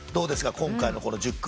今回の１０組。